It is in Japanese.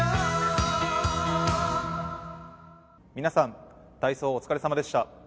皆さん、体操、お疲れさまでした。